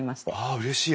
あうれしい！